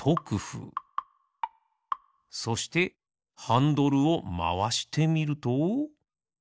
そしてハンドルをまわしてみると。